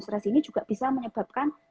stres ini juga bisa menyebabkan